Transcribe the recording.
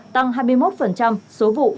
tăng hai mươi một số vụ